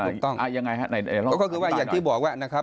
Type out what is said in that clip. ถูกต้องค่ะถูกต้อง